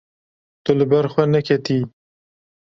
Tu li ber xwe neketiyî.